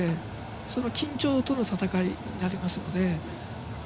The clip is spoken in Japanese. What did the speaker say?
その緊張との闘いになりますので。